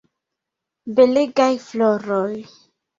Belegaj floroj!